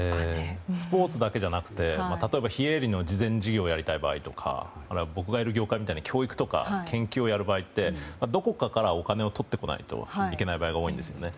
スポーツだけじゃなくて例えば非営利の慈善事業をやりたいとか僕がいる業界みたいに教育とか研究をやる場合ってどこかからお金をとってこないといけない場合が多いんですよね。